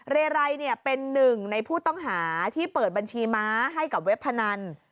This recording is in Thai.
เรไรเป็นหนึ่งในผู้ต้องหาที่เปิดบัญชีม้าให้กับเว็บพนัน